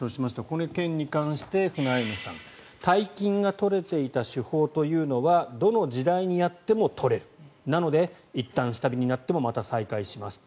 この件に関してフナイムさん大金が取れていた手法というのはどの時代にやっても取れるなので、いったん下火になってもまた再開しますと。